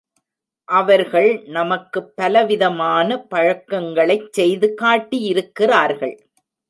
அவர்கள் நமக்குப் பலவிதமான பழக்கங்களைச் செய்து காட்டியிருக்கிறார்கள்.